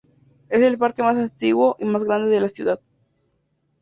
Es el parque más antiguo y más grande de la ciudad.